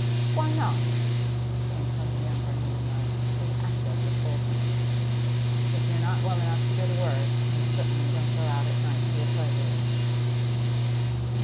'Why not?' came from the younger Mutimer, with access of boldness. 'If you're not well enough to go to work you certainly don't go out at night for your pleasure.